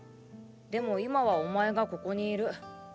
でも今はお前がここにいる。